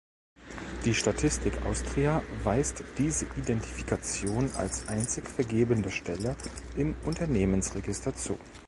Die Statistik Austria weist diese Identifikation als einzig vergebende Stelle im Unternehmensregister zu.